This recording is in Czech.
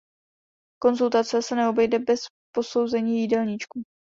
Konzultace se neobejde bez posouzení jídelníčku.